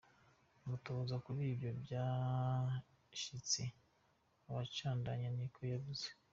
Amatohoza kuri ivyo vyashitse aracabandanya,” ni ko yavuze.